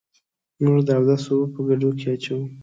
موږ د اودس اوبه په ګډوه کي اچوو.